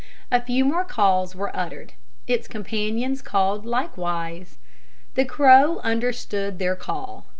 A few more caws were uttered. Its companions cawed likewise. The crow understood their call.